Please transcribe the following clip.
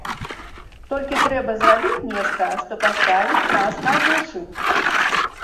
Толькі трэба зрабіць нешта, што паставіць нас на вушы.